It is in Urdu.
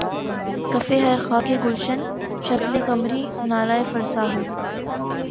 کفِ ہر خاکِ گلشن‘ شکلِ قمری‘ نالہ فرسا ہو